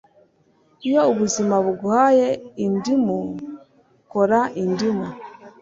Iyo ubuzima buguhaye indimu kora indimu